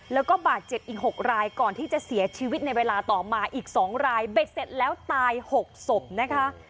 แล้วก็บาดเจ็บอีก๖รายก่อนที่จะเสียชีวิตในเวลาต่อมาอีก๒รายเบ็ดเสร็จแล้วตาย๖ศพนะคะ